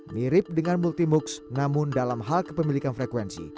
mirip dengan multi moocs namun dalam hal kepemilikan frekuensi